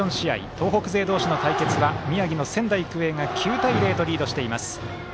東北勢同士の対決は宮城の仙台育英が９対０とリードしています。